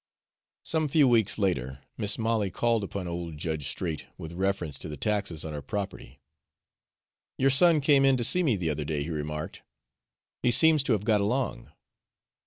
Some few weeks later, Mis' Molly called upon old Judge Straight with reference to the taxes on her property. "Your son came in to see me the other day," he remarked. "He seems to have got along."